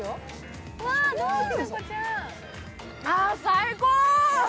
あ、最高ー！